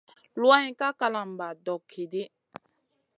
Luwayn ka kalama dog hidi.